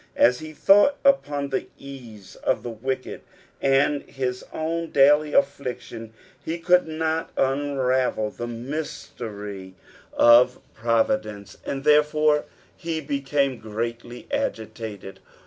'^ As he thought upon the ease of the wicked and his own duly afllictioo, he could not unravel the mystery of 240 EXPOBITlOirS OF THE FSALHS. proridence, and therefore he became greatly agitated.